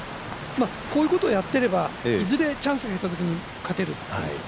こういうことをやっていればいずれチャンスが来たときに勝てる。